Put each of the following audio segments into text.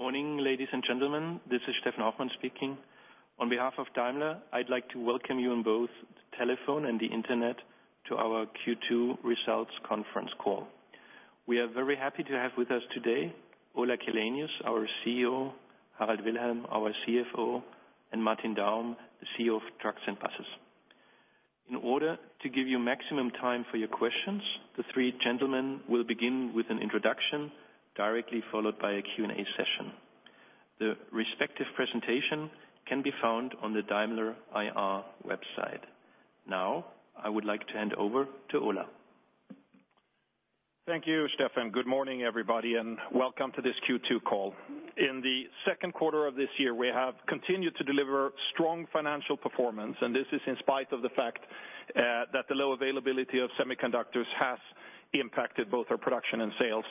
Morning, ladies and gentlemen. This is Steffen Hoffmann speaking. On behalf of Daimler, I'd like to welcome you on both the telephone and the internet to our Q2 Results Conference Call. We are very happy to have with us today Ola Källenius, our CEO, Harald Wilhelm, our CFO, and Martin Daum, the CEO of Trucks & Buses. In order to give you maximum time for your questions, the three gentlemen will begin with an introduction directly followed by a Q&A session. The respective presentation can be found on the Daimler IR website. Now, I would like to hand over to Ola. Thank you, Steffen. Good morning, everybody, and welcome to this Q2 call. In the second quarter of this year, we have continued to deliver strong financial performance, and this is in spite of the fact that the low availability of semiconductors has impacted both our production and sales.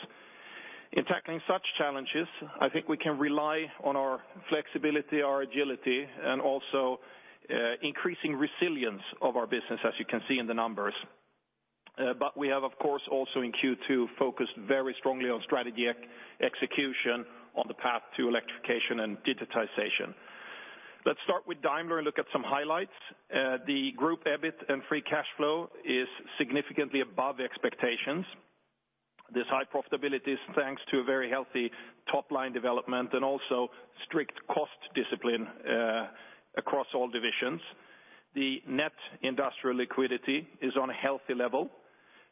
In tackling such challenges, I think we can rely on our flexibility, our agility, and also increasing resilience of our business, as you can see in the numbers. We have, of course, also in Q2, focused very strongly on strategy execution on the path to electrification and digitization. Let's start with Daimler and look at some highlights. The group EBIT and free cash flow is significantly above expectations. This high profitability is thanks to a very healthy top-line development and also strict cost discipline, across all divisions. The net industrial liquidity is on a healthy level.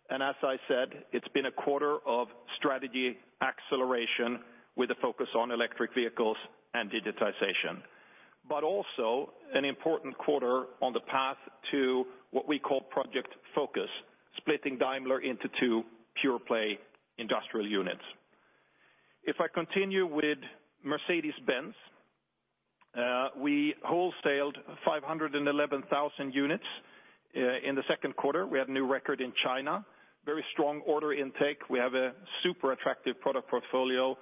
As I said, it's been a quarter of strategy acceleration with a focus on electric vehicles and digitization. Also an important quarter on the path to what we call Project Focus, splitting Daimler into two pure-play industrial units. If I continue with Mercedes-Benz, we wholesaled 511,000 units in the second quarter. We had a new record in China. Very strong order intake. We have a super attractive product portfolio,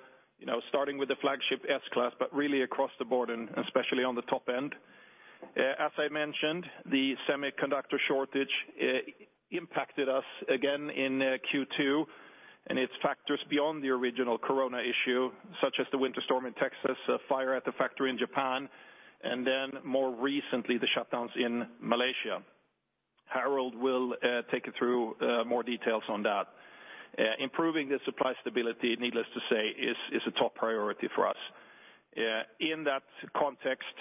starting with the flagship S-Class, but really across the board, and especially on the top end. As I mentioned, the semiconductor shortage impacted us again in Q2, and its factors beyond the original Corona issue, such as the winter storm in Texas, a fire at the factory in Japan, and then more recently, the shutdowns in Malaysia. Harald will take you through more details on that. Improving the supply stability, needless to say, is a top priority for us. In that context,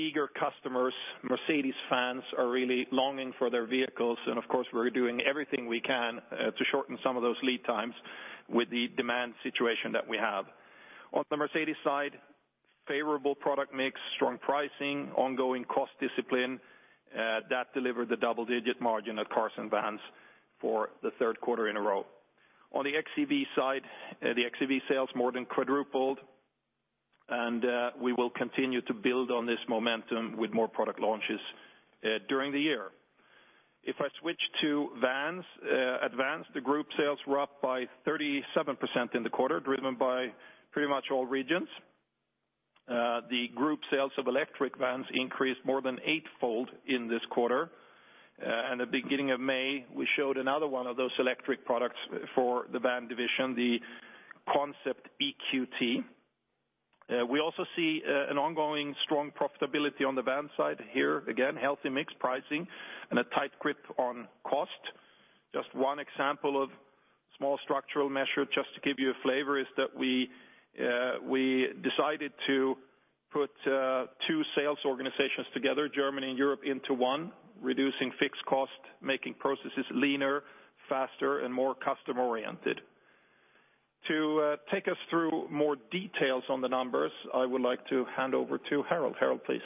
eager customers, Mercedes fans, are really longing for their vehicles. Of course, we're doing everything we can to shorten some of those lead times with the demand situation that we have. On the Mercedes side, favorable product mix, strong pricing, ongoing cost discipline, that delivered the double-digit margin at Cars and Vans for the third quarter in a row. On the xEV side, the xEV sales more than quadrupled. We will continue to build on this momentum with more product launches during the year. If I switch to vans, at Vans, the group sales were up by 37% in the quarter, driven by pretty much all regions. The group sales of electric vans increased more than eightfold in this quarter. At the beginning of May, we showed another one of those electric products for the van division, the Concept EQT. We also see an ongoing strong profitability on the van side. Here, again, healthy mix pricing and a tight grip on cost. Just one example of small structural measure, just to give you a flavor, is that we decided to put two sales organizations together, Germany and Europe, into one, reducing fixed cost, making processes leaner, faster, and more customer-oriented. To take us through more details on the numbers, I would like to hand over to Harald. Harald, please.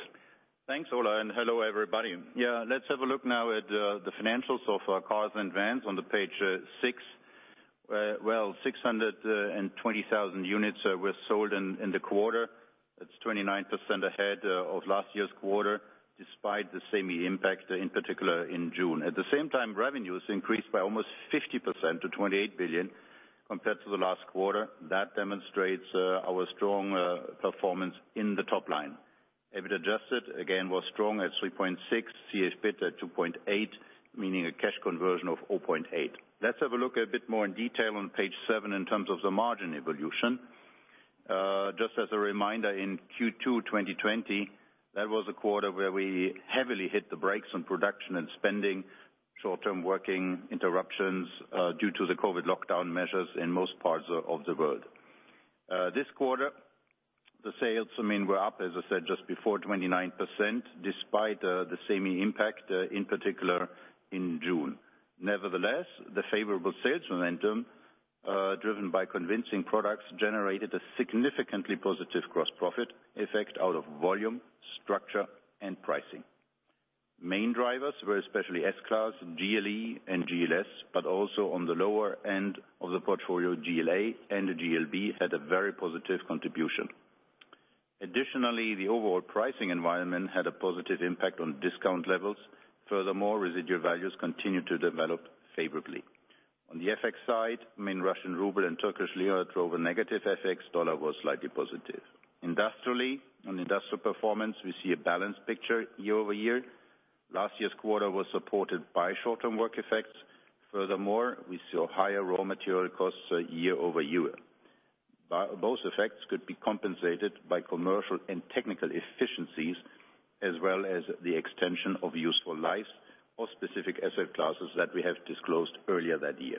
Thanks, Ola, and hello, everybody. Let's have a look now at the financials of Cars and Vans on page six. 620,000 units were sold in the quarter. That's 29% ahead of last year's quarter, despite the same impact, in particular in June. At the same time, revenues increased by almost 50% to 28 billion compared to the last quarter. That demonstrates our strong performance in the top line. EBIT adjusted again was strong at EUR 3.6%, CFBIT at EUR 2.8%, meaning a cash conversion of 0.8%. Let's have a look a bit more in detail on page seven in terms of the margin evolution. Just as a reminder, in Q2 2020, that was a quarter where we heavily hit the brakes on production and spending, short-term working interruptions due to the COVID lockdown measures in most parts of the world. This quarter, the sales, I mean, were up, as I said, just before, 29%, despite the same impact, in particular, in June. Nevertheless, the favorable sales momentum, driven by convincing products, generated a significantly positive gross profit effect out of volume, structure, and pricing. Main drivers were especially S-Class, GLE, and GLS, also on the lower end of the portfolio, GLA and the GLB had a very positive contribution. Additionally, the overall pricing environment had a positive impact on discount levels. Furthermore, residual values continued to develop favorably. On the FX side, Russian ruble and Turkish lira drove a negative FX. Dollar was slightly positive. Industrially, on industrial performance, we see a balanced picture year-over-year. Last year's quarter was supported by short-term work effects. Furthermore, we saw higher raw material costs year-over-year. Both effects could be compensated by commercial and technical efficiencies, as well as the extension of useful life of specific asset classes that we have disclosed earlier that year.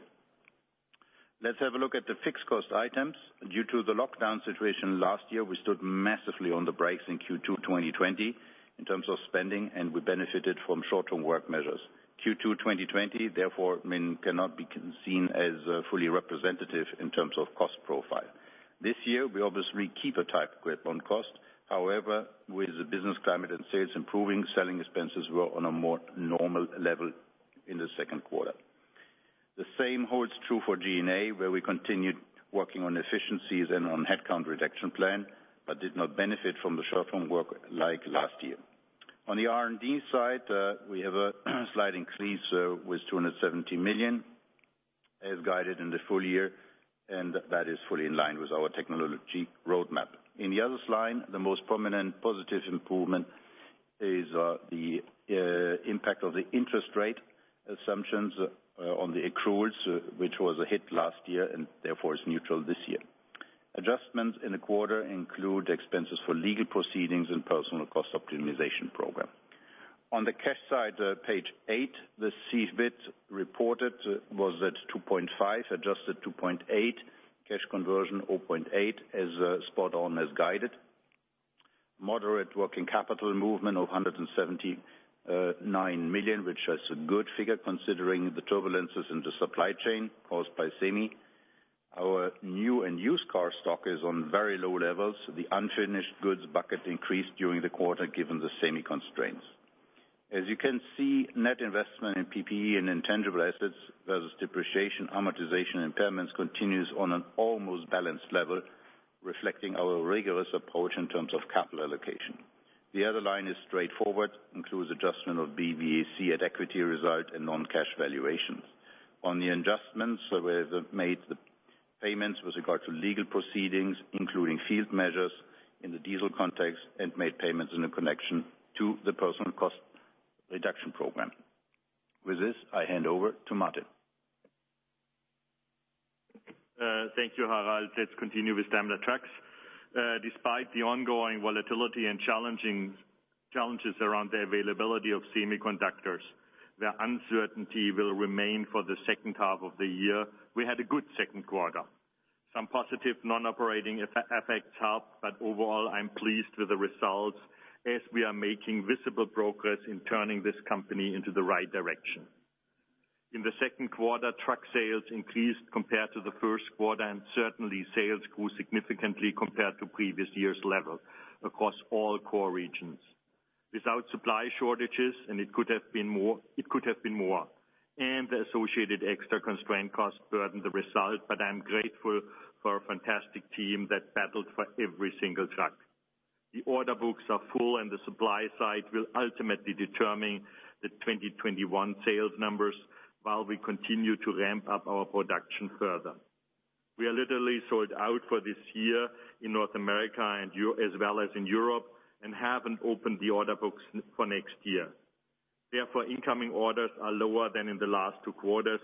Let's have a look at the fixed cost items. Due to the lockdown situation last year, we stood massively on the brakes in Q2 2020 in terms of spending, and we benefited from short-term work measures. Q2 2020, therefore, cannot be seen as fully representative in terms of cost profile. This year, we obviously keep a tight grip on cost. However, with the business climate and sales improving, selling expenses were on a more normal level in the second quarter. The same holds true for G&A, where we continued working on efficiencies and on headcount reduction plan, but did not benefit from the short-term work like last year. On the R&D side, we have a slight increase with 270 million, as guided in the full year, and that is fully in line with our technology roadmap. In the others line, the most prominent positive improvement is the impact of the interest rate assumptions on the accruals, which was a hit last year and therefore is neutral this year. Adjustments in the quarter include expenses for legal proceedings and personal cost optimization program. On the cash side, page eight, the CFBIT reported was at 2.5%, adjusted 2.8%. Cash conversion, 0.8%, is spot on as guided. Moderate working capital movement of 179 million, which is a good figure considering the turbulences in the supply chain caused by semi. Our new and used car stock is on very low levels. The unfinished goods bucket increased during the quarter, given the semi constraints. As you can see, net investment in PPE and intangible assets versus depreciation, amortization, impairments continues on an almost balanced level, reflecting our rigorous approach in terms of capital allocation. The other line is straightforward, includes adjustment of BBAC at equity result and non-cash valuations. On the adjustments, where they've made the payments with regard to legal proceedings, including field measures in the diesel context, and made payments in the connection to the personal cost reduction program. With this, I hand over to Martin. Thank you, Harald. Let's continue with Daimler Truck. Despite the ongoing volatility and challenges around the availability of semiconductors, where uncertainty will remain for the second half of the year, we had a good second quarter. Some positive non-operating effects helped, but overall, I'm pleased with the results as we are making visible progress in turning this company into the right direction. In the second quarter, truck sales increased compared to the first quarter. Certainly sales grew significantly compared to previous year's level across all core regions. Without supply shortages, it could have been more. The associated extra constraint cost burdened the result, but I'm grateful for a fantastic team that battled for every single truck. The order books are full, and the supply side will ultimately determine the 2021 sales numbers while we continue to ramp up our production further. We are literally sold out for this year in North America as well as in Europe and haven't opened the order books for next year. Therefore, incoming orders are lower than in the last two quarters.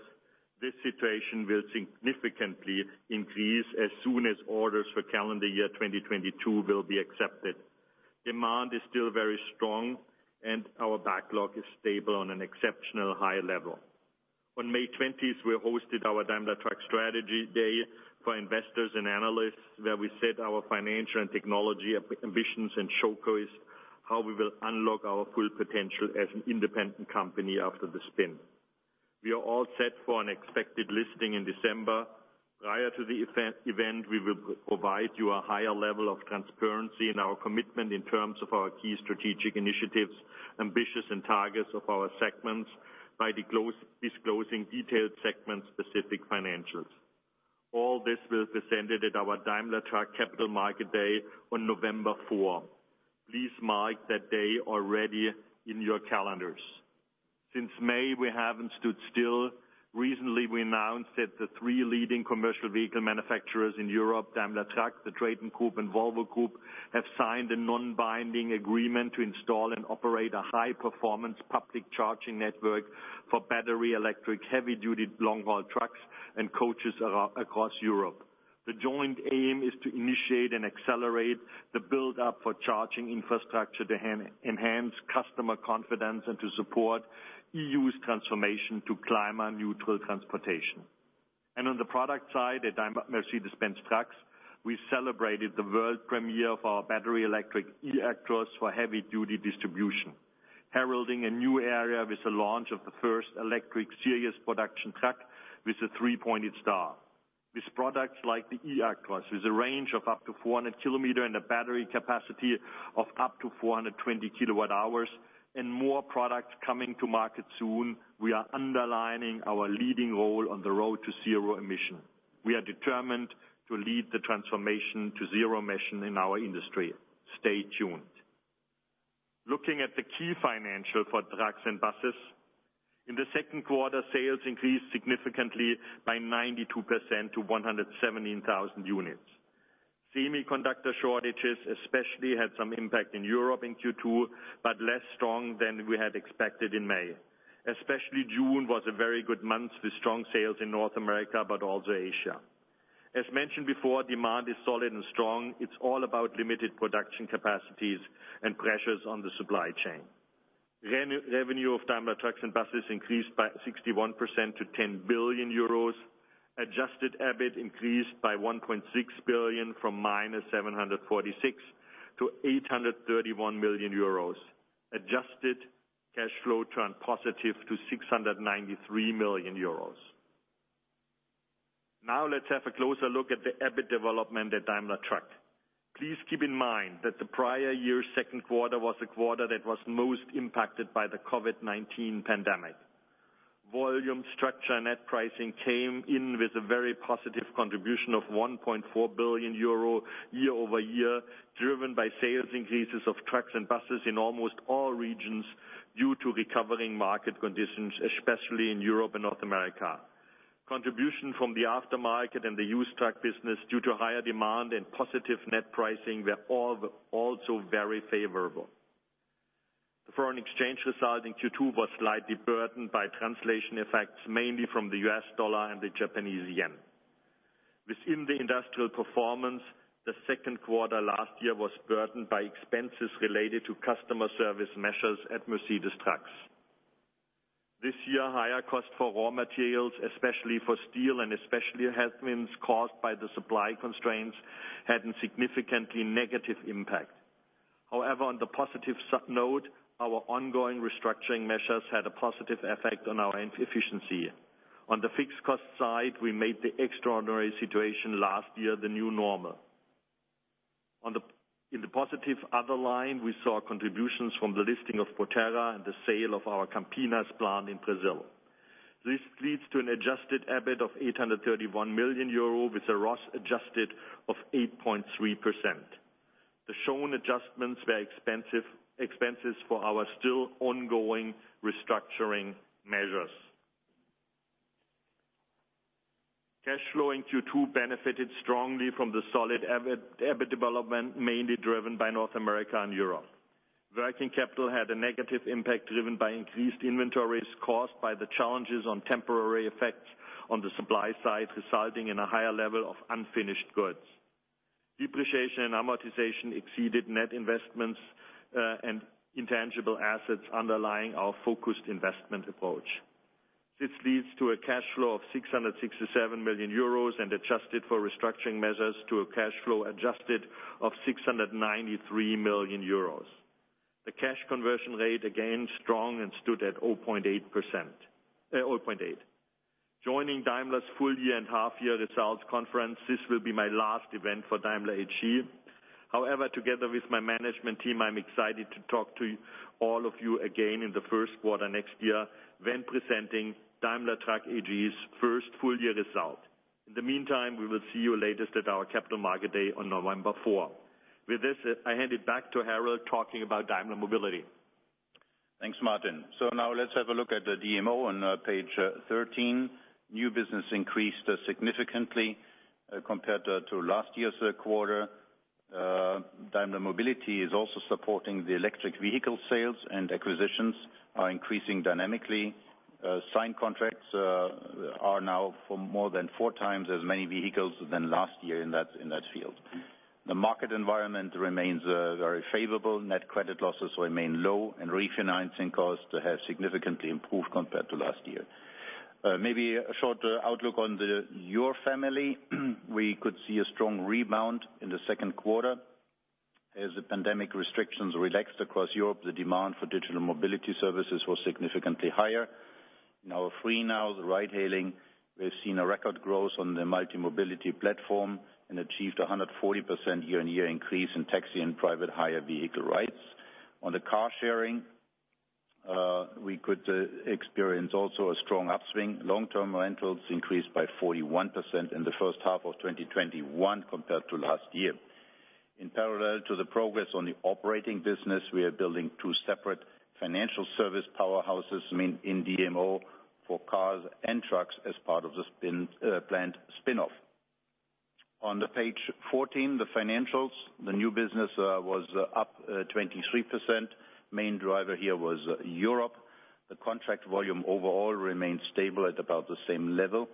This situation will significantly increase as soon as orders for calendar year 2022 will be accepted. Demand is still very strong, and our backlog is stable on an exceptional high level. On May 20th, we hosted our Daimler Truck Strategy Day for investors and analysts, where we set our financial and technology ambitions and showcased how we will unlock our full potential as an independent company after the spin. We are all set for an expected listing in December. Prior to the event, we will provide you a higher level of transparency in our commitment in terms of our key strategic initiatives, ambitions, and targets of our segments by disclosing detailed segment-specific financials. All this will be presented at our Daimler Truck Capital Market Day on November 4. Please mark that day already in your calendars. Since May, we haven't stood still. Recently, we announced that the three leading commercial vehicle manufacturers in Europe, Daimler Truck, the TRATON GROUP, and Volvo Group, have signed a non-binding agreement to install and operate a high-performance public charging network for battery electric heavy-duty long-haul trucks and coaches across Europe. The joint aim is to initiate and accelerate the build-up for charging infrastructure to enhance customer confidence and to support EU's transformation to climate neutral transportation. On the product side, at Daimler Mercedes-Benz Trucks, we celebrated the world premiere of our battery electric eActros for heavy-duty distribution. Heralding a new era with the launch of the first electric series production truck with a three-pointed star. With products like the eActros, with a range of up to 400 km and a battery capacity of up to 420 kWh, and more products coming to market soon, we are underlining our leading role on the road to zero emission. We are determined to lead the transformation to zero emission in our industry. Stay tuned. Looking at the key financials for Truck & Buses. In the second quarter, sales increased significantly by 92% to 117,000 units. Semiconductor shortages especially had some impact in Europe in Q2, but less strong than we had expected in May. Especially June was a very good month with strong sales in North America, but also Asia. As mentioned before, demand is solid and strong. It's all about limited production capacities and pressures on the supply chain. Revenue of Daimler Truck & Buses increased by 61% to 10 billion euros. Adjusted EBIT increased by 1.6 billion from -746 to 831 million euros. Adjusted cash flow turned positive to 693 million euros. Let's have a closer look at the EBIT development at Daimler Truck. Please keep in mind that the prior year's second quarter was the quarter that was most impacted by the COVID-19 pandemic. Volume structure and net pricing came in with a very positive contribution of 1.4 billion euro year-over-year, driven by sales increases of trucks and buses in almost all regions due to recovering market conditions, especially in Europe and North America. Contribution from the aftermarket and the used truck business, due to higher demand and positive net pricing, were also very favorable. The foreign exchange result in Q2 was slightly burdened by translation effects, mainly from the US dollar and the Japanese yen. Within the industrial performance, the second quarter last year was burdened by expenses related to customer service measures at Mercedes-Benz Trucks. This year, higher cost for raw materials, especially for steel and especially has been caused by the supply constraints, had a significantly negative impact. However, on the positive note, our ongoing restructuring measures had a positive effect on our efficiency. On the fixed cost side, we made the extraordinary situation last year the new normal. In the positive other line, we saw contributions from the listing of Proterra and the sale of our Campinas plant in Brazil. This leads to an adjusted EBIT of 831 million euro, with a ROS adjusted of 8.3%. The shown adjustments were expenses for our still ongoing restructuring measures. Cash flow in Q2 benefited strongly from the solid EBIT development, mainly driven by North America and Europe. Working capital had a negative impact driven by increased inventories caused by the challenges on temporary effects on the supply side, resulting in a higher level of unfinished goods. Depreciation and amortization exceeded net investments, and intangible assets underlying our focused investment approach. This leads to a cash flow of 667 million euros and adjusted for restructuring measures to a cash flow adjusted of 693 million euros. The cash conversion rate again strong and stood at 0.8%. Joining Daimler's full year and half year results conference, this will be my last event for Daimler AG. However, together with my management team, I'm excited to talk to all of you again in the first quarter next year when presenting Daimler Truck AG's first full year result. In the meantime, we will see you latest at our Capital Market Day on November 4. With this, I hand it back to Harald, talking about Daimler Mobility. Thanks, Martin. Now let's have a look at the DMO on page 13. New business increased significantly compared to last year's third quarter. Daimler Mobility is also supporting the electric vehicle sales, and acquisitions are increasing dynamically. Signed contracts are now for more than 4x as many vehicles than last year in that field. The market environment remains very favorable. Net credit losses remain low, and refinancing costs have significantly improved compared to last year. Maybe a short outlook on the YOUR NOW family. We could see a strong rebound in the second quarter. As the pandemic restrictions relaxed across Europe, the demand for digital mobility services was significantly higher. In our Freenow, the ride-hailing, we've seen a record growth on the multi-mobility platform and achieved 140% year-on-year increase in taxi and private hire vehicle rides. On the car sharing, we could experience also a strong upswing. Long-term rentals increased by 41% in the first half of 2021 compared to last year. In parallel to the progress on the operating business, we are building two separate financial service powerhouses in DMO for cars and trucks as part of the planned spin-off. On the page 14, the financials. The new business was up 23%. Main driver here was Europe. The contract volume overall remained stable at about the same level.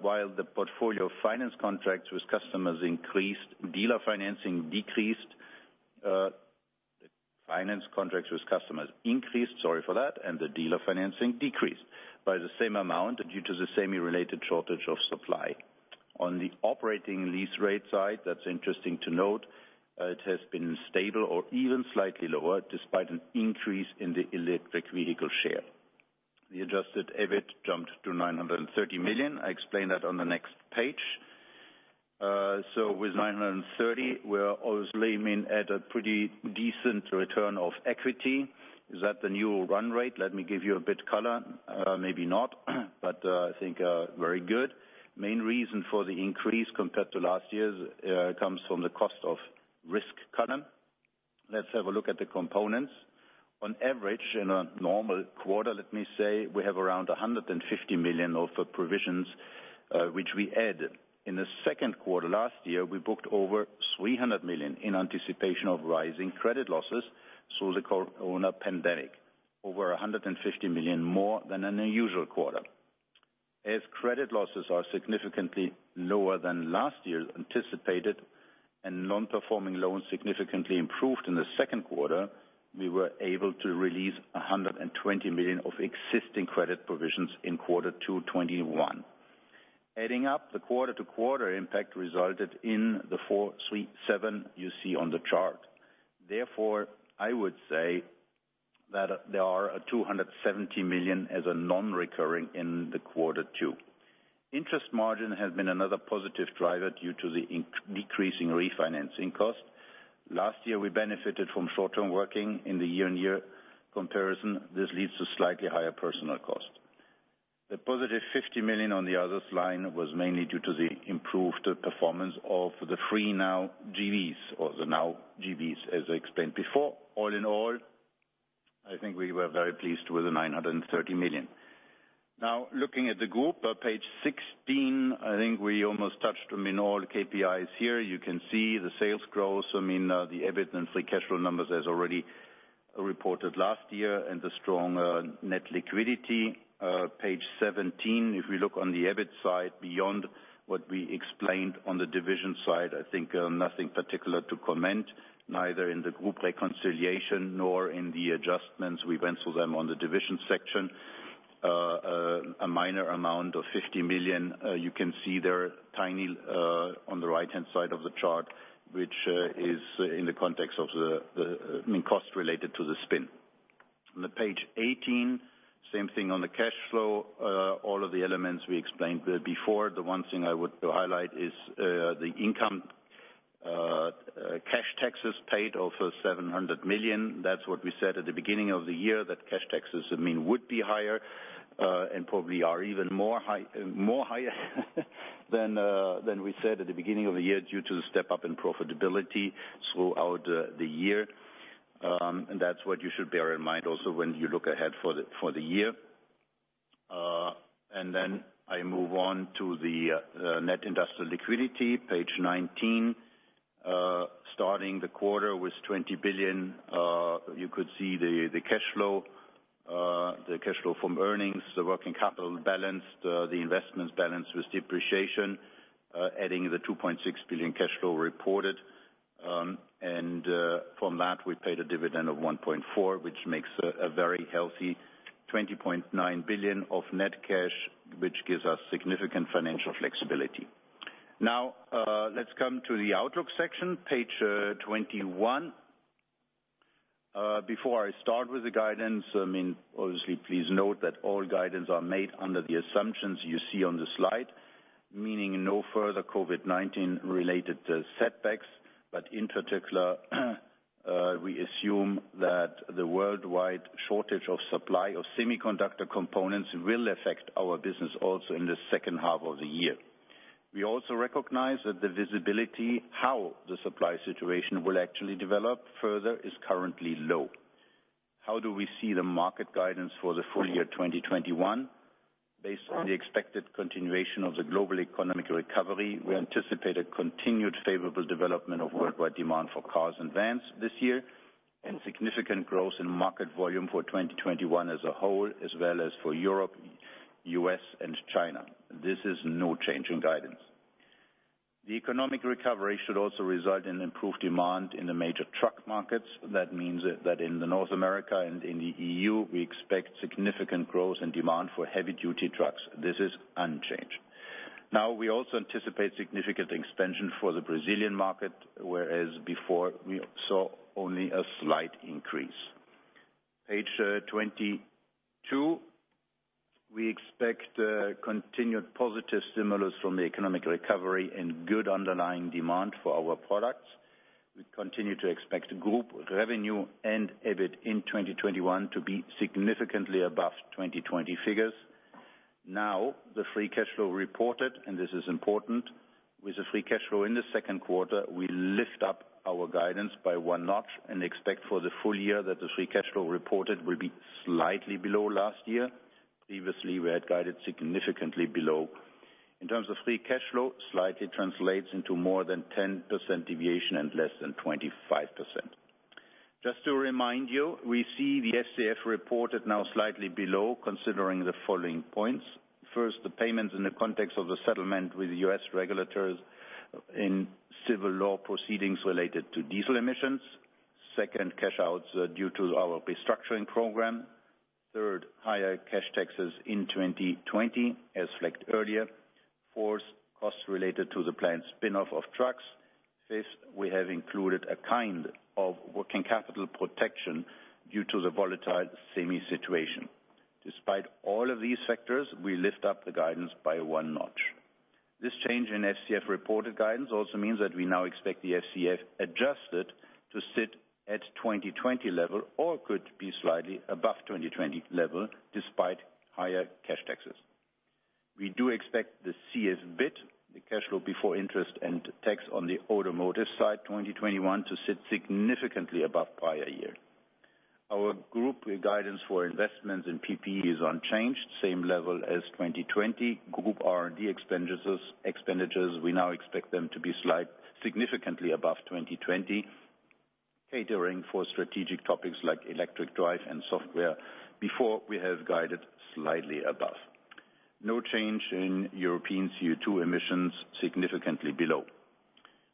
While the portfolio of finance contracts with customers increased, dealer financing decreased. Finance contracts with customers increased, sorry for that, and the dealer financing decreased by the same amount due to the semi-related shortage of supply. On the operating lease rate side, that's interesting to note, it has been stable or even slightly lower despite an increase in the electric vehicle share. The adjusted EBIT jumped to 930 million. I explain that on the next page. With 930 million, we're obviously at a pretty decent return of equity. Is that the new run rate? Let me give you a bit color. Maybe not, but I think very good. Main reason for the increase compared to last year's, comes from the cost of risk column. Let's have a look at the components. On average, in a normal quarter, let me say, we have around 150 million of provisions, which we add. In the second quarter last year, we booked over 300 million in anticipation of rising credit losses through the corona pandemic. Over 150 million more than an unusual quarter. As credit losses are significantly lower than last year anticipated, and non-performing loans significantly improved in the second quarter, we were able to release 120 million of existing credit provisions in quarter two 2021. Adding up the quarter-to-quarter impact resulted in the 437 million you see on the chart. I would say that there are 270 million as a non-recurring in the quarter two. Interest margin has been another positive driver due to the decreasing refinancing cost. Last year, we benefited from short-term working. In the year-over-year comparison, this leads to slightly higher personnel cost. The positive 50 million on the others line was mainly due to the improved performance of the Freenow JVs or the YOUR NOW JVs, as I explained before. All in all, I think we were very pleased with the 930 million. Looking at the group on page 16, I think we almost touched them in all KPIs here. You can see the sales growth. I mean the EBIT and free cash flow numbers as already reported last year and the strong net liquidity. Page 17, if we look on the EBIT side beyond what we explained on the division side, I think nothing particular to comment, neither in the group reconciliation nor in the adjustments. We went through them on the division section. A minor amount of 50 million, you can see there tiny on the right-hand side of the chart, which is in the context of the cost related to the spin. On the page 18, same thing on the cash flow. All of the elements we explained before. The one thing I would highlight is the income cash taxes paid of 700 million. That's what we said at the beginning of the year, that cash taxes would be higher, and probably are even more higher than we said at the beginning of the year due to the step-up in profitability throughout the year. That's what you should bear in mind also when you look ahead for the year. Then I move on to the net industrial liquidity, page 19. Starting the quarter with 20 billion, you could see the cash flow from earnings, the working capital balanced, the investments balanced with depreciation, adding the 2.6 billion cash flow reported. From that, we paid a dividend of 1.4 billion, which makes a very healthy 20.9 billion of net cash, which gives us significant financial flexibility. Let's come to the outlook section, page 21. Before I start with the guidance, obviously, please note that all guidance are made under the assumptions you see on the slide. No further COVID-19 related setbacks, but in particular, we assume that the worldwide shortage of supply of semiconductor components will affect our business also in the second half of the year. We also recognize that the visibility, how the supply situation will actually develop further is currently low. How do we see the market guidance for the full year 2021? Based on the expected continuation of the global economic recovery, we anticipate a continued favorable development of worldwide demand for cars and vans this year, and significant growth in market volume for 2021 as a whole, as well as for Europe, U.S., and China. This is no change in guidance. The economic recovery should also result in improved demand in the major truck markets. That means that in the North America and in the E.U., we expect significant growth and demand for heavy-duty trucks. This is unchanged. We also anticipate significant expansion for the Brazilian market, whereas before we saw only a slight increase. Page 22. We expect a continued positive stimulus from the economic recovery and good underlying demand for our products. We continue to expect group revenue and EBIT in 2021 to be significantly above 2020 figures. Now, the free cash flow reported. This is important. With the free cash flow in the second quarter, we lift up our guidance by one notch and expect for the full year that the free cash flow reported will be slightly below last year. Previously, we had guided significantly below. In terms of free cash flow, slightly translates into more than 10% deviation and less than 25%. Just to remind you, we see the FCF reported now slightly below considering the following points. First, the payments in the context of the settlement with U.S. regulators in civil law proceedings related to diesel emissions. Second, cash outs due to our restructuring program. Third, higher cash taxes in 2020 as flagged earlier. Fourth, costs related to the planned spin-off of trucks. Fifth, we have included a kind of working capital protection due to the volatile semi situation. Despite all of these factors, we lift up the guidance by one notch. This change in FCF reported guidance also means that we now expect the FCF adjusted to sit at 2020 level or could be slightly above 2020 level despite higher cash taxes. We do expect the CFBIT, the cash flow before interest and tax on the automotive side 2021 to sit significantly above prior year. Our group guidance for investments in PPE is unchanged, same level as 2020. Group R&D expenditures, we now expect them to be significantly above 2020, catering for strategic topics like electric drive and software. Before, we have guided slightly above. No change in European CO2 emissions, significantly below.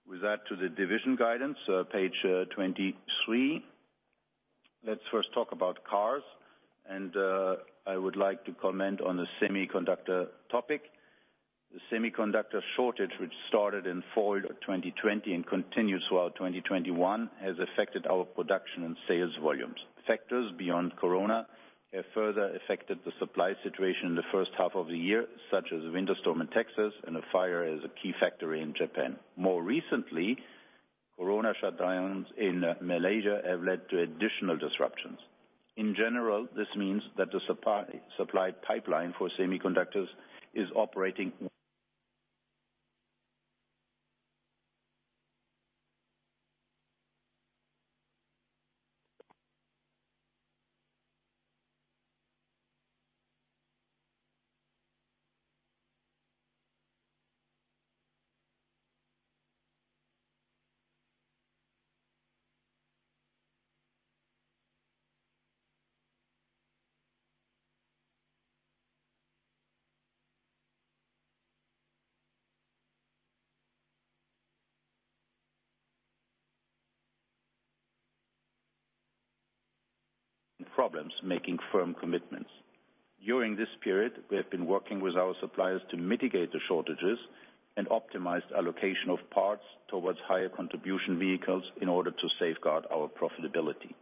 With that, to the division guidance, page 23. Let's first talk about cars, and I would like to comment on the semiconductor topic. The semiconductor shortage, which started in fall 2020 and continues throughout 2021, has affected our production and sales volumes. Factors beyond Corona have further affected the supply situation in the first half of the year, such as winter storm in Texas and a fire as a key factory in Japan. More recently, Corona shutdowns in Malaysia have led to additional disruptions. In general, this means that the supply pipeline for semiconductors is operating. Problems making firm commitments. During this period, we have been working with our suppliers to mitigate the shortages and optimize allocation of parts towards higher contribution vehicles in order to safeguard our profitability.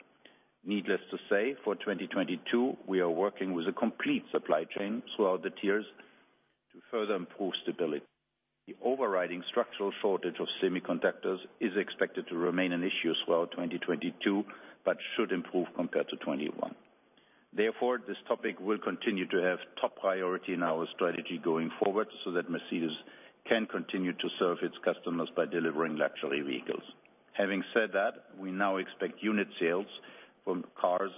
Needless to say, for 2022, we are working with a complete supply chain throughout the tiers to further improve stability. The overriding structural shortage of semiconductors is expected to remain an issue as well 2022, but should improve compared to 2021. Therefore this topic will continue to have top priority in our strategy going forward so that Mercedes can continue to serve its customers by delivering luxury vehicles. Having said that, we now expect unit sales from cars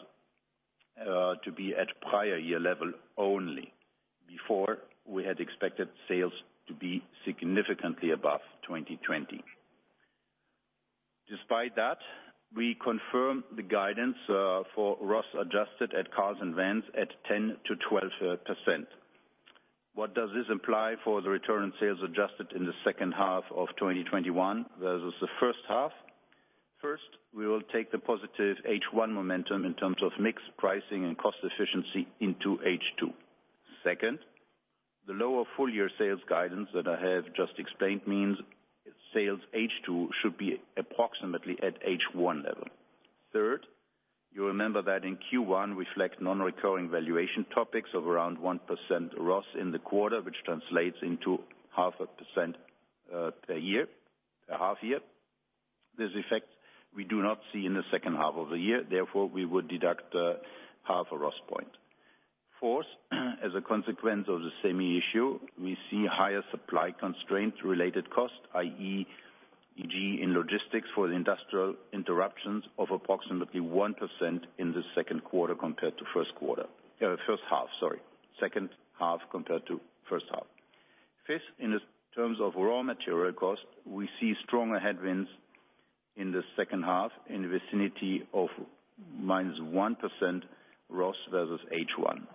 to be at prior year level only. Before, we had expected sales to be significantly above 2020. Despite that, we confirm the guidance for ROS adjusted at cars and vans at 10%-12%. What does this imply for the return on sales adjusted in the second half of 2021 versus the first half? First, we will take the positive H1 momentum in terms of mix pricing and cost efficiency into H2. Second, the lower full-year sales guidance that I have just explained means sales H2 should be approximately at H1 level. Third, you remember that in Q1, we reflect non-recurring valuation topics of around 1% ROS in the quarter, which translates into 0.5% a half year. This effect we do not see in the second half of the year, therefore, we would deduct half a ROS point. Fourth, as a consequence of the same issue, we see higher supply constraint related cost, i.e. e.g. in logistics for the industrial interruptions of approximately 1% in the second quarter compared to first quarter. First half, sorry. Second half compared to first half. Fifth, in terms of raw material cost, we see stronger headwinds in the second half in the vicinity of -1% ROS versus H1.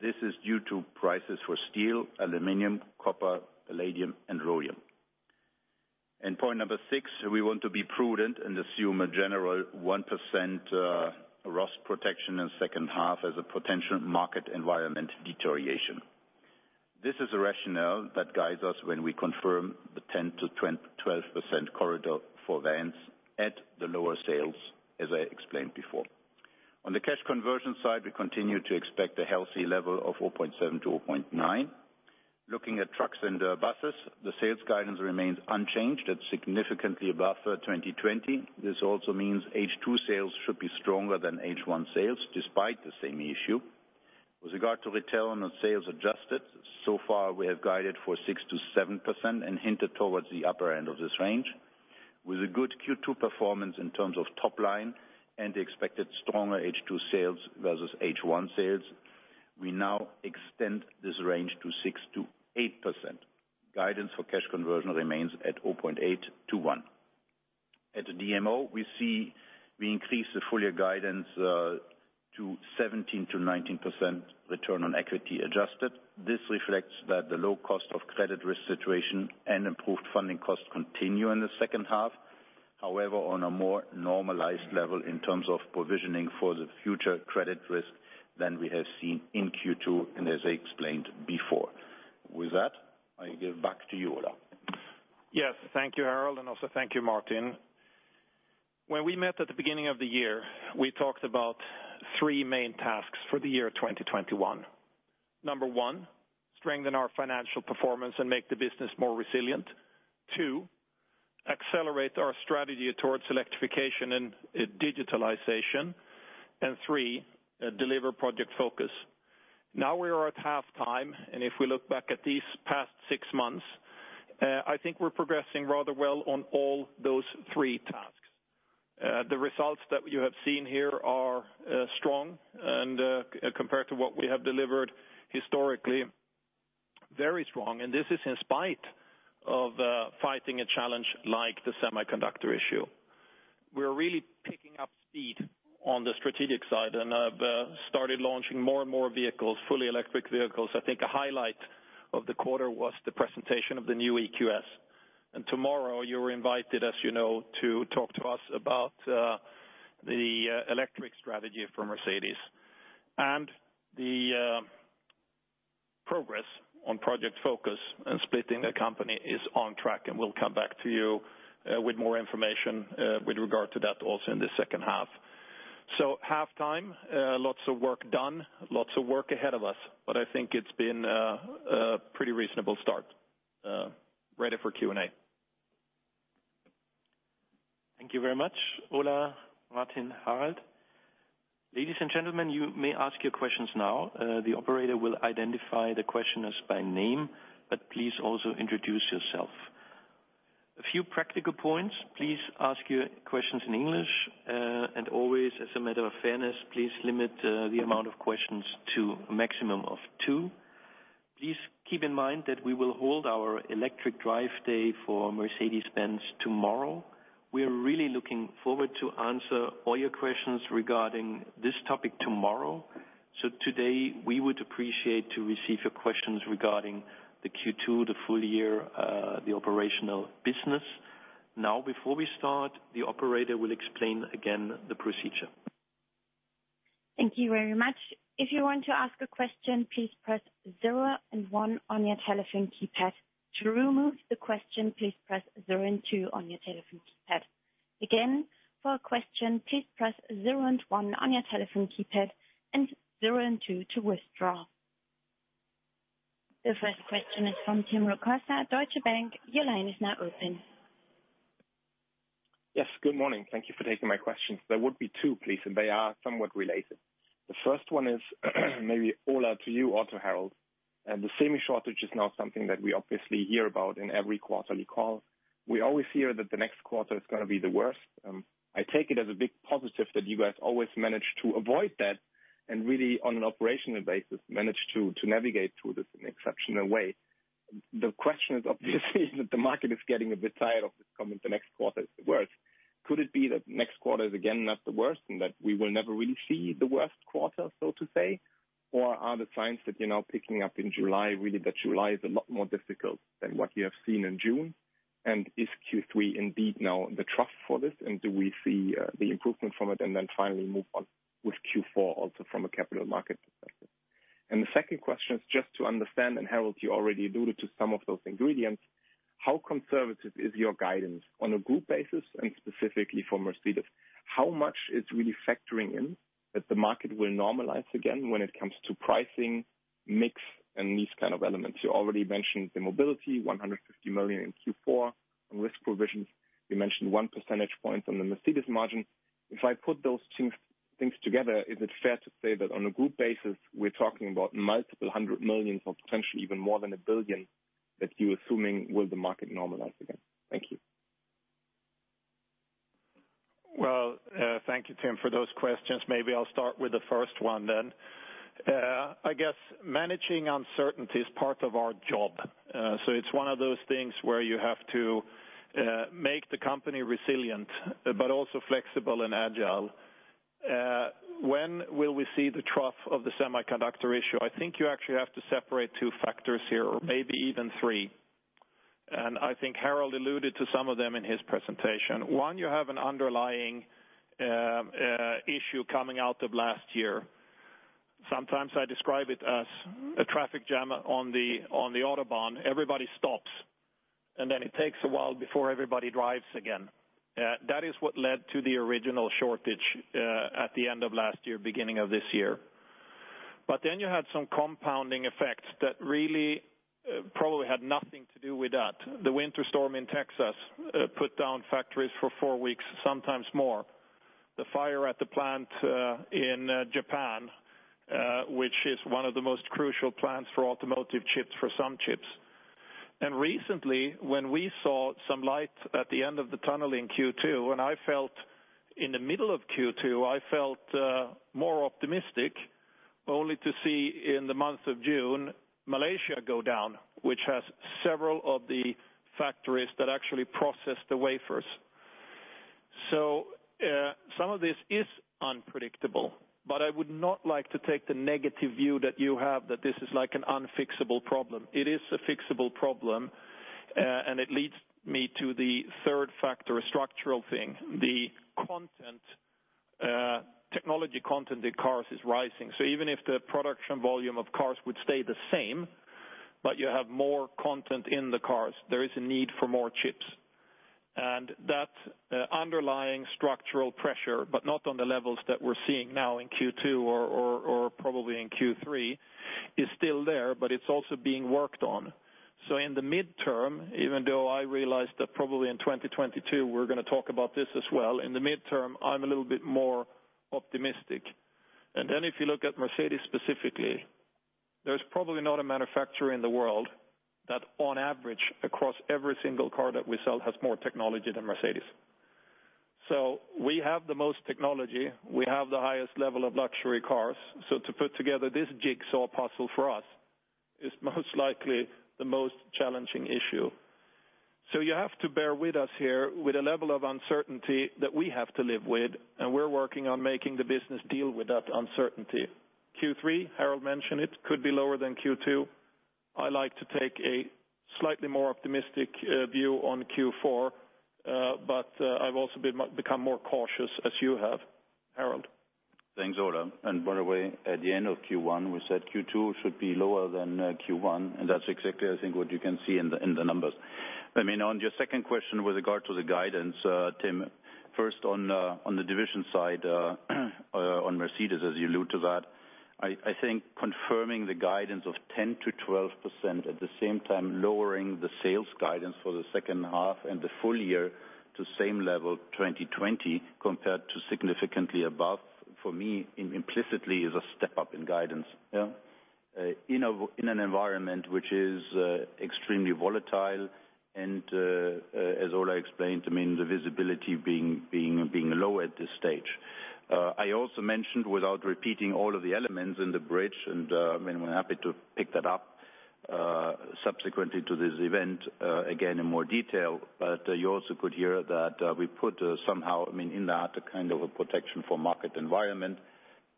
This is due to prices for steel, aluminum, copper, palladium, and rhodium. Point number six, we want to be prudent and assume a general 1% ROS protection in second half as a potential market environment deterioration. This is a rationale that guides us when we confirm the 10%-12% corridor for vans at the lower sales, as I explained before. On the cash conversion side, we continue to expect a healthy level of 0.7%-0.9%. Looking at trucks and buses, the sales guidance remains unchanged at significantly above 2020. This also means H2 sales should be stronger than H1 sales, despite the same issue. With regard to return on sales adjusted, so far we have guided for 6%-7% and hinted towards the upper end of this range. With a good Q2 performance in terms of top line and expected stronger H2 sales versus H1 sales, we now extend this range to 6%-8%. Guidance for cash conversion remains at 0.8:1. At DMO, we increase the full year guidance to 17%-19% return on equity adjusted. This reflects that the low cost of credit risk situation and improved funding costs continue in the second half. On a more normalized level in terms of provisioning for the future credit risk than we have seen in Q2 and as I explained before. With that, I give back to you, Ola. Yes. Thank you, Harald, and also thank you, Martin. When we met at the beginning of the year, we talked about three main tasks for the year 2021. Number one, strengthen our financial performance and make the business more resilient. Two, accelerate our strategy towards electrification and digitalization. Three, deliver Project Focus. Now we are at halftime, and if we look back at these past six months, I think we're progressing rather well on all those three tasks. The results that you have seen here are strong and, compared to what we have delivered historically, very strong. This is in spite of fighting a challenge like the semiconductor issue. We're really picking up speed on the strategic side and have started launching more and more vehicles, fully electric vehicles. I think a highlight of the quarter was the presentation of the new EQS. Tomorrow you're invited, as you know, to talk to us about the electric strategy for Mercedes. The progress on Project Focus and splitting the company is on track, and we'll come back to you with more information with regard to that also in the second half. Halftime, lots of work done, lots of work ahead of us, but I think it's been a pretty reasonable start. Ready for Q&A. Thank you very much, Ola, Martin, Harald. Ladies and gentlemen, you may ask your questions now. The operator will identify the questioners by name, but please also introduce yourself. A few practical points. Please ask your questions in English. Always, as a matter of fairness, please limit the amount of questions to a maximum of two. Please keep in mind that we will hold our electric drive day for Mercedes-Benz tomorrow. We are really looking forward to answer all your questions regarding this topic tomorrow. Today, we would appreciate to receive your questions regarding the Q2, the full year, the operational business. Before we start, the operator will explain again the procedure. Thank you very much. If you want to ask a question, please press zero and one on your telephone keypad. To remove the question, please press zero and two on your telephone keypad. Again, for a question, please press zero and one on your telephone keypad, and zero and two to withdraw. The first question is from Tim Rokossa, Deutsche Bank. Your line is now open. Yes, good morning. Thank you for taking my questions. There would be two, please, and they are somewhat related. The first one is maybe, Ola, to you or to Harald. The semi shortage is now something that we obviously hear about in every quarterly call. We always hear that the next quarter is going to be the worst. I take it as a big positive that you guys always manage to avoid that, and really on an operational basis, manage to navigate through this in an exceptional way. The question is obviously that the market is getting a bit tired of this comment, the next quarter is the worst. Could it be that next quarter is again not the worst and that we will never really see the worst quarter, so to say? Are the signs that you're now picking up in July really that July is a lot more difficult than what you have seen in June? Is Q3 indeed now the trough for this, and do we see the improvement from it? Finally move on with Q4 also from a capital market perspective. The second question is just to understand, Harald, you already alluded to some of those ingredients, how conservative is your guidance on a group basis and specifically for Mercedes? How much is really factoring in that the market will normalize again when it comes to pricing, mix, and these kind of elements? You already mentioned the mobility, 150 million in Q4. On risk provisions, you mentioned 1 percentage point on the Mercedes margin. If I put those two things together, is it fair to say that on a group basis, we're talking about multiple hundred millions or potentially even more than a billion that you're assuming will the market normalize again? Thank you. Well, thank you, Tim, for those questions. Maybe I'll start with the first one then. I guess managing uncertainty is part of our job. It's one of those things where you have to make the company resilient, but also flexible and agile. When will we see the trough of the semiconductor issue? I think you actually have to separate two factors here, or maybe even three. I think Harald alluded to some of them in his presentation. One, you have an underlying issue coming out of last year. Sometimes I describe it as a traffic jam on the Autobahn. Everybody stops, and then it takes a while before everybody drives again. That is what led to the original shortage at the end of last year, beginning of this year. You had some compounding effects that really probably had nothing to do with that. The winter storm in Texas put down factories for four weeks, sometimes more. The fire at the plant in Japan, which is one of the most crucial plants for automotive chips, for some chips. Recently, when we saw some light at the end of the tunnel in Q2, when I felt in the middle of Q2, I felt more optimistic, only to see in the month of June, Malaysia go down, which has several of the factories that actually process the wafers. Some of this is unpredictable, but I would not like to take the negative view that you have that this is like an unfixable problem. It is a fixable problem, and it leads me to the third factor, a structural thing. The technology content in cars is rising. Even if the production volume of cars would stay the same, but you have more content in the cars, there is a need for more chips. The underlying structural pressure, but not on the levels that we're seeing now in Q2 or probably in Q3, is still there, but it's also being worked on. In the midterm, even though I realize that probably in 2022 we're going to talk about this as well, in the midterm, I'm a little bit more optimistic. If you look at Mercedes specifically, there's probably not a manufacturer in the world that on average, across every single car that we sell, has more technology than Mercedes. We have the most technology. We have the highest level of luxury cars. To put together this jigsaw puzzle for us is most likely the most challenging issue. You have to bear with us here with a level of uncertainty that we have to live with, and we're working on making the business deal with that uncertainty. Q3, Harald mentioned it, could be lower than Q2. I like to take a slightly more optimistic view on Q4. I've also become more cautious as you have. Harald. Thanks, Ola. By the way, at the end of Q1, we said Q2 should be lower than Q1, and that's exactly I think what you can see in the numbers. On your second question with regard to the guidance, Tim, first on the division side, on Mercedes, as you allude to that. I think confirming the guidance of 10%-12%, at the same time lowering the sales guidance for the second half and the full year to same level 2020 compared to significantly above, for me, implicitly is a step up in guidance. In an environment which is extremely volatile and, as Ola explained, the visibility being low at this stage. I also mentioned, without repeating all of the elements in the bridge, we're happy to pick that up subsequently to this event again in more detail. You also could hear that we put somehow in that a kind of a protection for market environment,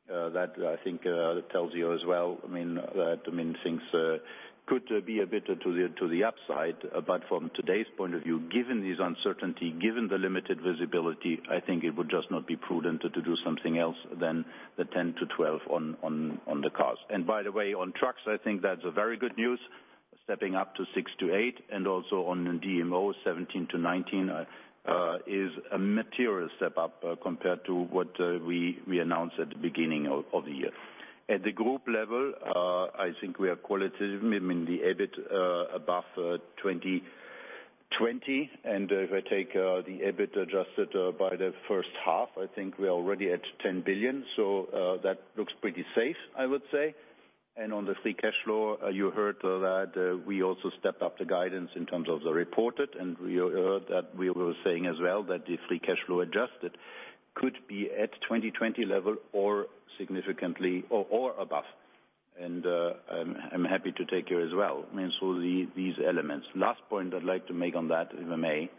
that I think that tells you as well that things could be a bit to the upside. From today's point of view, given this uncertainty, given the limited visibility, I think it would just not be prudent to do something else than the 10%-12% on the cars. By the way, on trucks, I think that's very good news, stepping up to 6%-8%, and also on DMO, 17%-19% is a material step up compared to what we announced at the beginning of the year. At the group level, I think we are qualitative, the EBIT above 2020. If I take the EBIT adjusted by the first half, I think we are already at 10 billion. That looks pretty safe, I would say. On the free cash flow, you heard that we also stepped up the guidance in terms of the reported, and you heard that we were saying as well that the free cash flow adjusted could be at 2020 level or above. I'm happy to take here as well. These elements. Last point I'd like to make on that, if I may.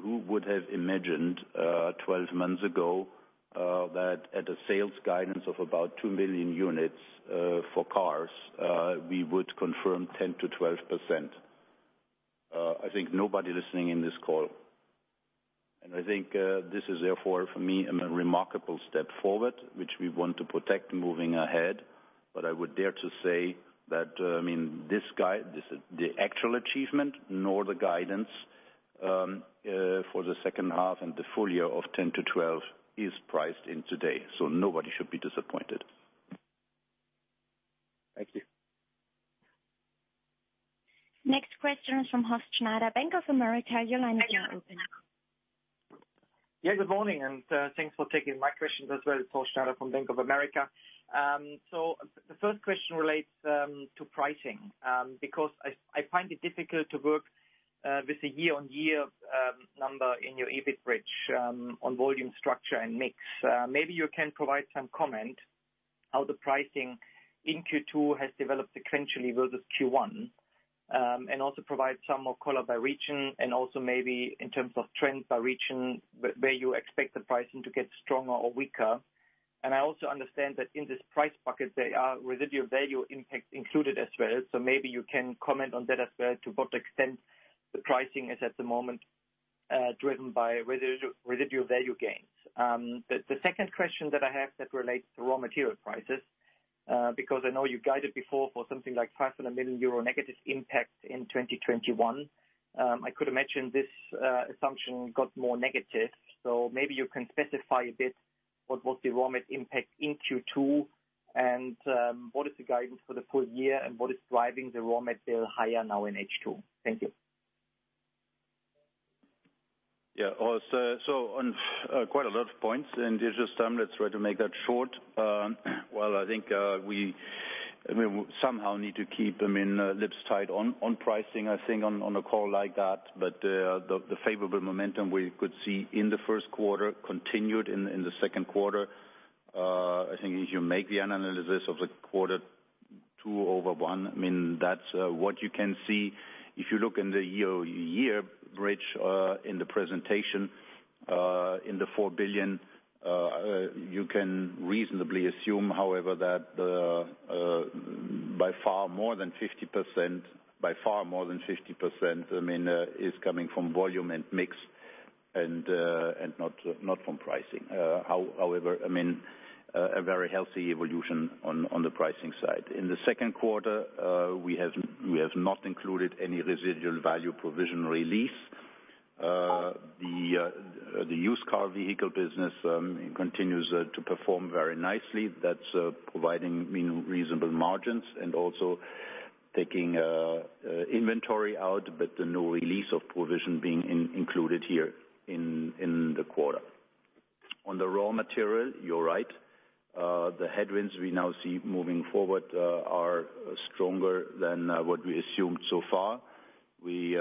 Who would have imagined, 12 months ago, that at a sales guidance of about 2 million units for cars, we would confirm 10%-12%? I think nobody listening in this call. I think this is therefore, for me, a remarkable step forward, which we want to protect moving ahead. I would dare to say that the actual achievement, nor the guidance for the second half and the full year of 10%-12% is priced in today, nobody should be disappointed. Thank you. Next question is from Horst Schneider, Bank of America. Your line is now open. Yeah, good morning, and thanks for taking my questions as well. It's Horst Schneider from Bank of America. The first question relates to pricing, because I find it difficult to work with a year-on-year number in your EBIT bridge, on volume structure and mix. Maybe you can provide some comment how the pricing in Q2 has developed sequentially versus Q1. Also provide some more color by region and also maybe in terms of trends by region, where you expect the pricing to get stronger or weaker. I also understand that in this price bucket, there are residual value impacts included as well. Maybe you can comment on that as well, to what extent the pricing is at the moment driven by residual value gains. The second question that I have that relates to raw material prices. I know you guided before for something like 500 million euro negative impact in 2021. I could imagine this assumption got more negative. Maybe you can specify a bit what was the raw material impact in Q2, and what is the guidance for the full year, and what is driving the raw material higher now in H2? Thank you. Yeah. Horst, on quite a lot of points. In this term, let's try to make that short. Well, I think we somehow need to keep lips tight on pricing, I think, on a call like that. The favorable momentum we could see in the first quarter continued in the second quarter. I think as you make the analysis of the Q2 over Q1, that's what you can see. If you look in the year-on-year bridge in the presentation, in the 4 billion, you can reasonably assume, however, that by far more than 50% is coming from volume and mix and not from pricing. However, a very healthy evolution on the pricing side. In Q2, we have not included any residual value provision release. The used car vehicle business continues to perform very nicely. That's providing reasonable margins and also taking inventory out, but no release of provision being included here in the quarter. On the raw material, you're right. The headwinds we now see moving forward are stronger than what we assumed so far. We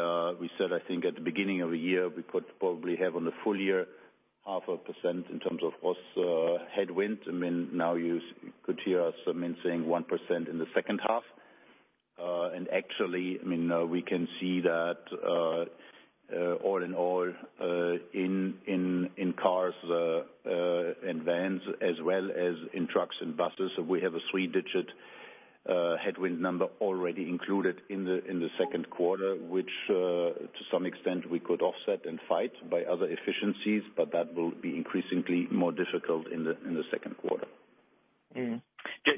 said, I think, at the beginning of the year, we could probably have, on the full year, 0.5% in terms of gross headwind. Now you could hear us saying 1% in the second half. Actually, we can see that all in all, in cars and vans as well as in trucks and buses, we have a three-digit headwind number already included in the second quarter, which to some extent we could offset and fight by other efficiencies, but that will be increasingly more difficult in the second quarter.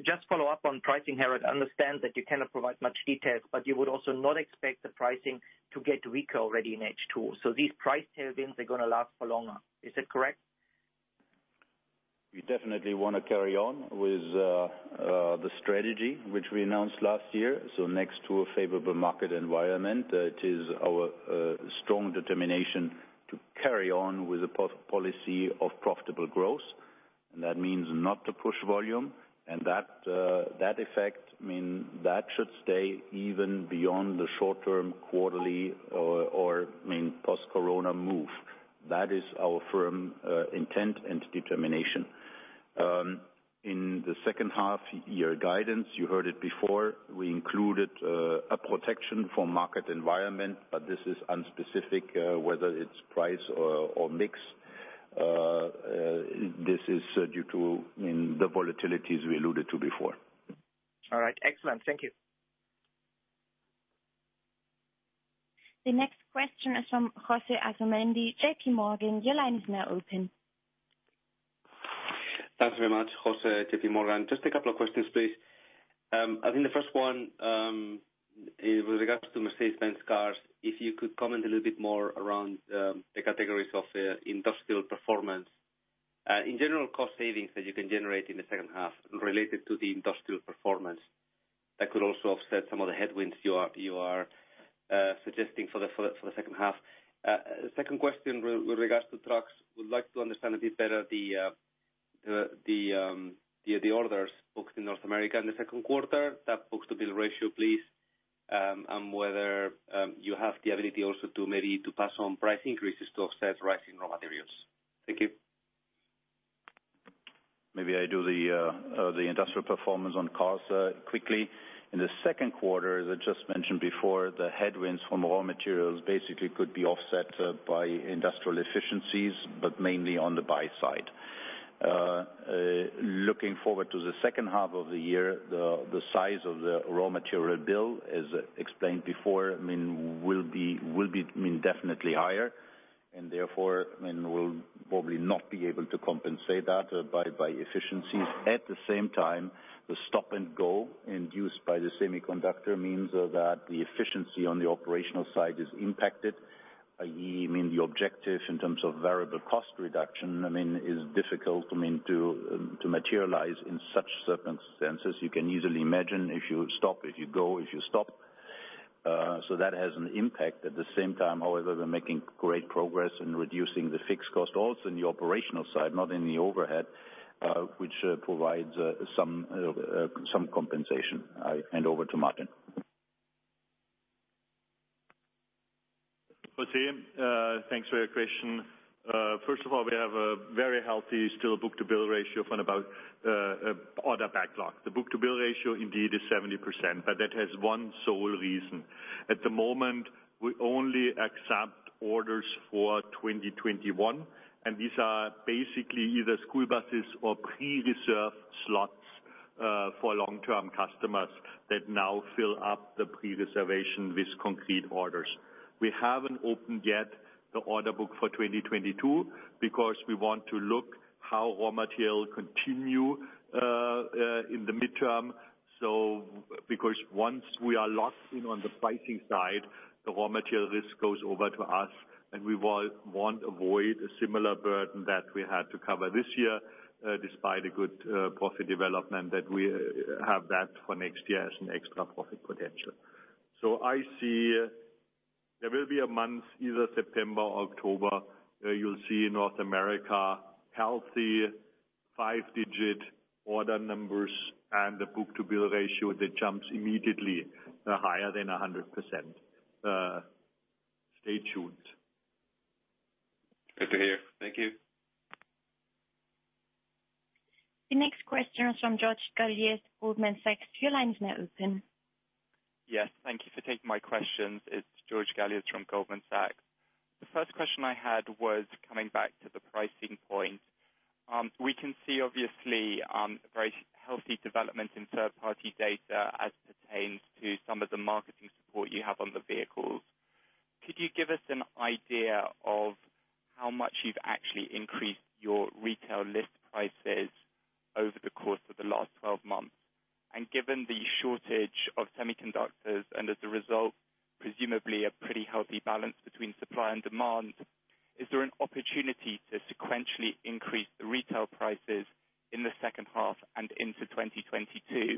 Just follow up on pricing, Harald. I understand that you cannot provide much details, but you would also not expect the pricing to get weaker already in H2. These price tailwinds are going to last for longer. Is that correct? We definitely want to carry on with the strategy which we announced last year. Next to a favorable market environment, it is our strong determination to carry on with the policy of profitable growth. That means not to push volume. That effect should stay even beyond the short-term, quarterly or post-corona move. That is our firm intent and determination. In the second half year guidance, you heard it before, we included a protection for market environment, but this is unspecific, whether it's price or mix. This is due to the volatilities we alluded to before. All right. Excellent. Thank you. The next question is from Jose Asumendi, JPMorgan, your line is now open. Thanks very much, Jose, JPMorgan. Just a couple of questions, please. I think the first one, with regards to Mercedes-Benz cars, if you could comment a little bit more around the categories of industrial performance. In general, cost savings that you can generate in the second half related to the industrial performance that could also offset some of the headwinds you are suggesting for the second half. Second question with regards to trucks, would like to understand a bit better the orders booked in North America in the second quarter, that book-to-bill ratio, please, and whether you have the ability also to maybe pass on price increases to offset rising raw materials. Thank you. Maybe I do the industrial performance on cars quickly. In the second quarter, as I just mentioned before, the headwinds from raw materials basically could be offset by industrial efficiencies, but mainly on the buy side. Looking forward to the second half of the year, the size of the raw material bill, as explained before, will be definitely higher and therefore, we'll probably not be able to compensate that by efficiencies. At the same time, the stop-and-go induced by the semiconductor means that the efficiency on the operational side is impacted, i.e., the objective in terms of variable cost reduction is difficult to materialize in such circumstances. You can easily imagine if you stop, if you go, if you stop. That has an impact. At the same time, however, we're making great progress in reducing the fixed cost also in the operational side, not in the overhead, which provides some compensation. I hand over to Martin. Jose, thanks for your question. First of all, we have a very healthy still book-to-bill ratio from about order backlog. The book-to-bill ratio indeed is 70%. That has one sole reason. At the moment, we only accept orders for 2021. These are basically either school buses or pre-reserved slots for long-term customers that now fill up the pre-reservation with concrete orders. We haven't opened yet the order book for 2022 because we want to look how raw material continue in the midterm. Once we are locked in on the pricing side, the raw material risk goes over to us, and we want to avoid a similar burden that we had to cover this year, despite a good profit development that we have that for next year as an extra profit potential. I see there will be a month, either September or October, where you'll see North America healthy five-digit order numbers and the book-to-bill ratio that jumps immediately higher than 100%. Stay tuned. Good to hear. Thank you. The next question is from George Galliers, Goldman Sachs. Your line is now open. Yes. Thank you for taking my questions. It's George Galliers from Goldman Sachs. The first question I had was coming back to the pricing point. We can see, obviously, a very healthy development in third-party data as pertains to some of the marketing support you have on the vehicles. Could you give us an idea of how much you've actually increased your retail list prices over the course of the last 12 months? Given the shortage of semiconductors, and as a result, presumably a pretty healthy balance between supply and demand, is there an opportunity to sequentially increase the retail prices in the second half and into 2022?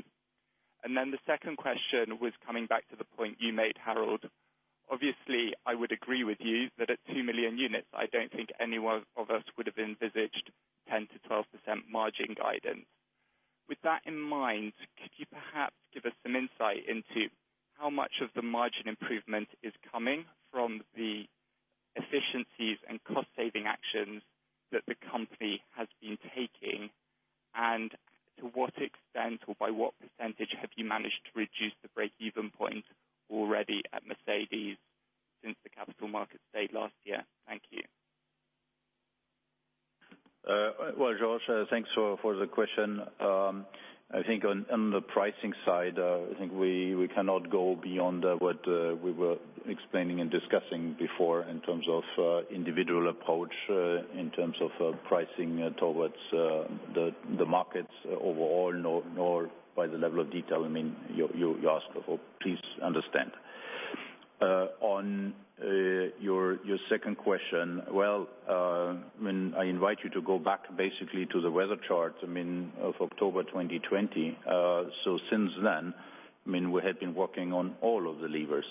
The second question was coming back to the point you made, Harald. Obviously, I would agree with you that at 2 million units, I don't think any one of us would have envisaged 10%-12% margin guidance. With that in mind, could you perhaps give us some insight into how much of the margin improvement is coming from the efficiencies and cost-saving actions that the company has been taking, and to what extent or by what percentage have you managed to reduce the break-even point already at Mercedes since the capital markets day last year? Thank you. Well, George, thanks for the question. I think on the pricing side, I think we cannot go beyond what we were explaining and discussing before in terms of individual approach, in terms of pricing towards the markets overall, nor by the level of detail you asked for. Please understand. On your second question, well, I invite you to go back basically to the weather charts of October 2020. Since then, we have been working on all of the levers.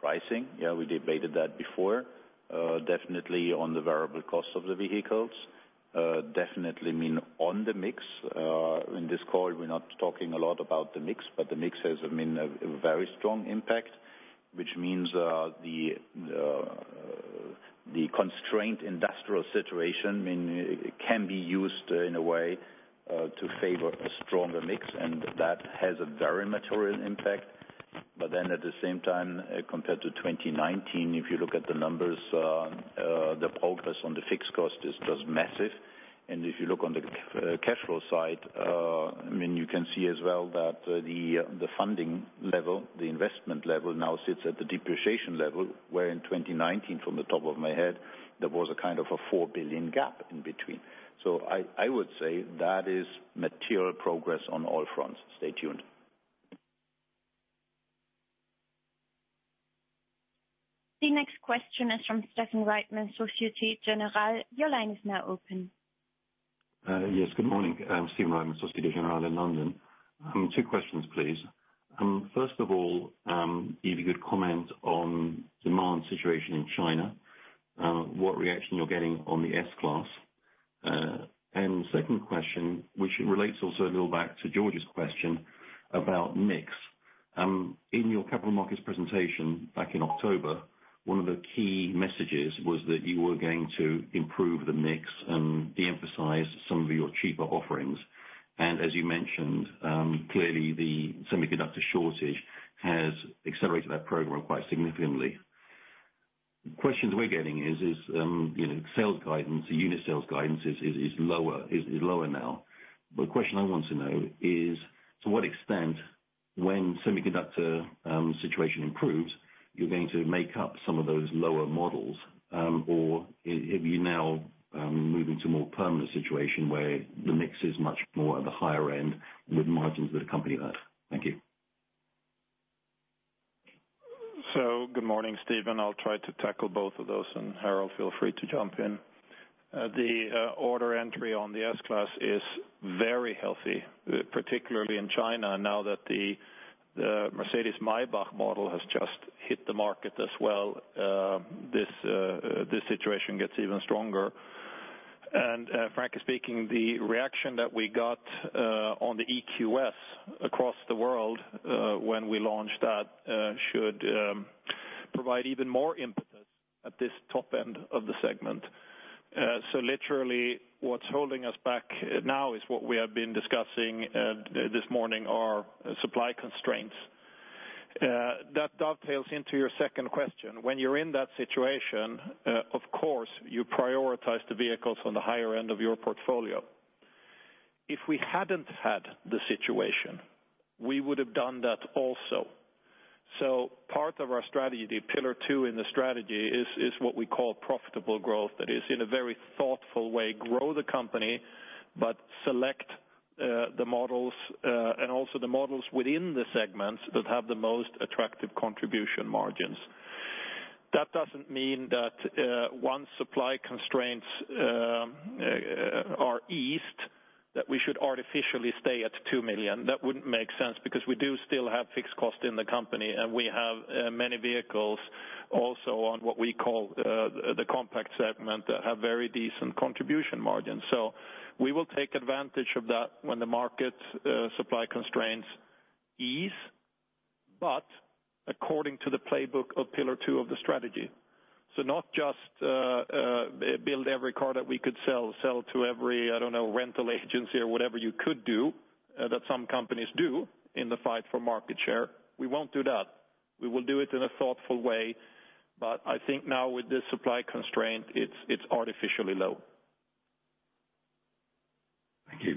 Pricing, yeah, we debated that before. Definitely on the variable cost of the vehicles. Definitely on the mix. In this call, we're not talking a lot about the mix, but the mix has a very strong impact, which means the constraint industrial situation can be used in a way to favor a stronger mix, and that has a very material impact. At the same time, compared to 2019, if you look at the numbers, the progress on the fixed cost is just massive. If you look on the cash flow side, you can see as well that the funding level, the investment level now sits at the depreciation level, where in 2019, from the top of my head, there was a kind of a 4 billion gap in between. I would say that is material progress on all fronts. Stay tuned. The next question is from Stephen Reitman, Société Générale. Your line is now open. Yes, good morning. I'm Stephen Reitman, Société Générale in London. Two questions, please. First of all, if you could comment on demand situation in China, what reaction you're getting on the S-Class. Second question, which relates also a little back to George's question about mix. In your capital markets presentation back in October, one of the key messages was that you were going to improve the mix and de-emphasize some of your cheaper offerings. As you mentioned, clearly the semiconductor shortage has accelerated that program quite significantly. The questions we're getting is, sales guidance, the unit sales guidance is lower now. The question I want to know is, to what extent, when semiconductor situation improves, you're going to make up some of those lower models? Have you now moved into a more permanent situation where the mix is much more at the higher end with margins that accompany that? Thank you. Good morning, Stephen. I'll try to tackle both of those, and Harald, feel free to jump in. The order entry on the S-Class is very healthy, particularly in China, now that the Mercedes-Maybach model has just hit the market as well. This situation gets even stronger. Frankly speaking, the reaction that we got on the EQS across the world, when we launched that, should provide even more impetus at this top end of the segment. Literally, what's holding us back now is what we have been discussing this morning, are supply constraints. That dovetails into your second question. When you're in that situation, of course, you prioritize the vehicles on the higher end of your portfolio. If we hadn't had the situation, we would have done that also. Part of our strategy, pillar two in the strategy, is what we call profitable growth. That is, in a very thoughtful way, grow the company, but select the models and also the models within the segments that have the most attractive contribution margins. That doesn't mean that once supply constraints are eased, that we should artificially stay at 2 million. That wouldn't make sense because we do still have fixed costs in the company, and we have many vehicles also on what we call the compact segment that have very decent contribution margins. We will take advantage of that when the market supply constraints ease, but according to the playbook of pillar two of the strategy. Not just build every car that we could sell to every, I don't know, rental agency or whatever you could do that some companies do in the fight for market share. We won't do that. We will do it in a thoughtful way. I think now with this supply constraint, it's artificially low. Thank you.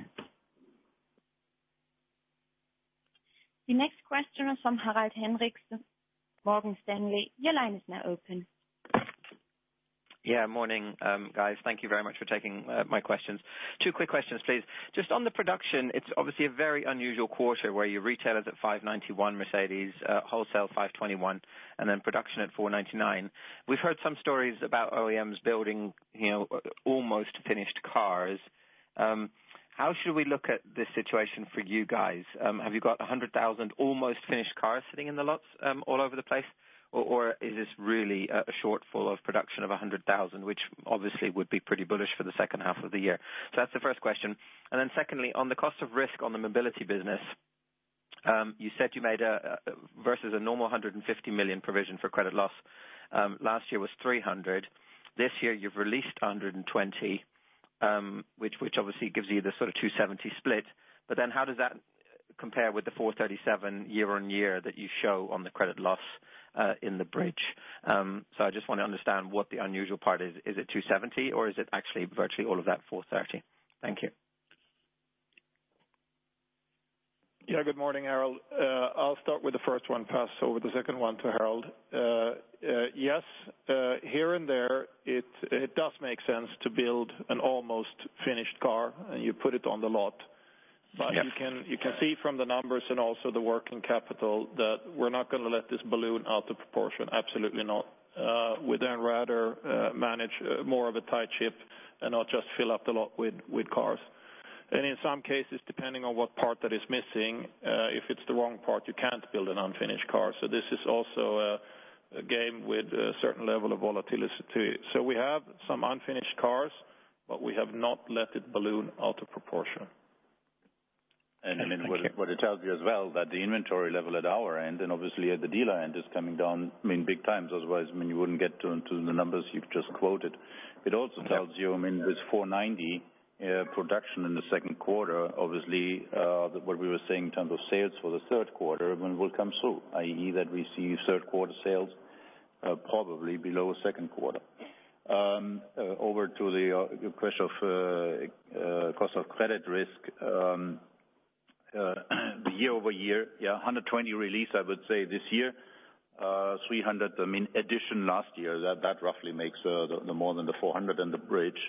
The next question is from Harald Hendrikse, Morgan Stanley. Your line is now open. Morning, guys. Thank you very much for taking my questions. Two quick questions, please. Just on the production, it's obviously a very unusual quarter where your retail is at 591, Mercedes, wholesale 521, and then production at 499. We've heard some stories about OEMs building almost finished cars. How should we look at this situation for you guys? Have you got 100,000 almost finished cars sitting in the lots all over the place? Is this really a shortfall of production of 100,000, which obviously would be pretty bullish for the second half of the year? That's the first question. Secondly, on the cost of risk on the Mobility business, you said you made versus a normal 150 million provision for credit loss. Last year was 300 million. This year you've released 120 million, which obviously gives you the sort of 270 million split. How does that compare with the 437 million year-on-year that you show on the credit loss in the bridge? So I just want to understand what the unusual part is. Is it 270 million or is it actually virtually all of that 430 million? Thank you. Good morning, Harald. I'll start with the first one, pass over the second one to Harald. Yes, here and there, it does make sense to build an almost finished car, and you put it on the lot. Yes. You can see from the numbers and also the working capital that we're not going to let this balloon out of proportion. Absolutely not. We'd then rather manage more of a tight ship and not just fill up the lot with cars. In some cases, depending on what part that is missing, if it's the wrong part, you can't build an unfinished car. This is also a game with a certain level of volatility to it. We have some unfinished cars, but we have not let it balloon out of proportion. Thank you. What it tells you as well, that the inventory level at our end and obviously at the dealer end is coming down, big times. Otherwise, you wouldn't get to the numbers you've just quoted. It also tells you, this 490 production in the second quarter, obviously, what we were saying in terms of sales for the third quarter, when will come soon, i.e., that we see third quarter sales probably below second quarter. Over to the question of cost of credit risk, the year-over-year 120 million release, I would say this year, 300 million addition last year. That roughly makes the more than the 400 million in the bridge.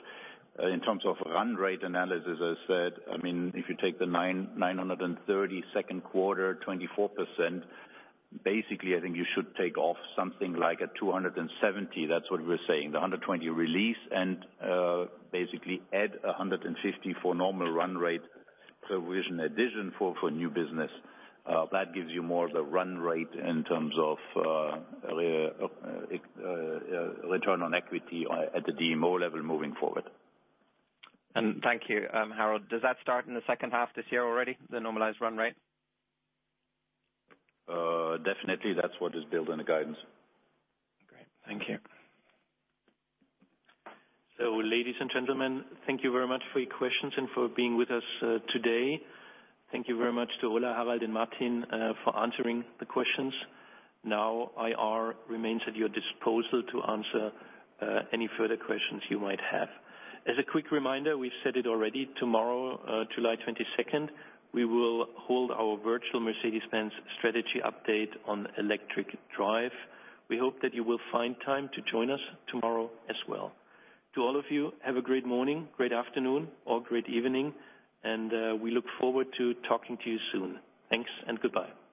In terms of run rate analysis, as said, if you take the 930 million second quarter, 24%, basically, I think you should take off something like a 270 million. That's what we're saying. The 120 million release and basically add 150 million for normal run rate provision addition for new business. That gives you more the run rate in terms of return on equity at the DMO level moving forward. Thank you. Harald, does that start in the second half this year already, the normalized run rate? Definitely, that's what is built in the guidance. Great. Thank you. Ladies and gentlemen, thank you very much for your questions and for being with us today. Thank you very much to Ola, Harald, and Martin for answering the questions. IR remains at your disposal to answer any further questions you might have. As a quick reminder, we've said it already, tomorrow, July 22nd, we will hold our virtual Mercedes-Benz strategy update on electric drive. We hope that you will find time to join us tomorrow as well. To all of you, have a great morning, great afternoon, or great evening, and we look forward to talking to you soon. Thanks and goodbye.